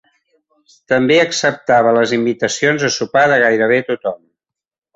També acceptava les invitacions a sopar de gairebé tothom.